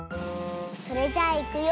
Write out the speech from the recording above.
それじゃあいくよ。